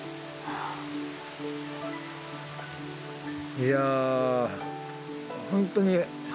いや本当にうわ。